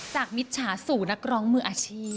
มิจฉาสู่นักร้องมืออาชีพ